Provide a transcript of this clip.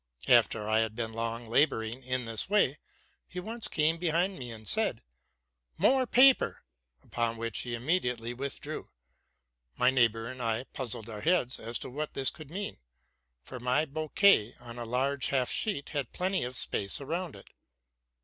After I had been long laboring in this way, he once came behind me, and said, '* More paper! '' upon which he immediately withdrew. My neighbor and I puzzled our heads as to what this could mean ; 'for my bouquet, on a large half sheet, had plenty of space around it.